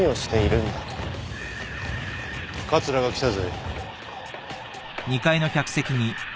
桂が来たぜ。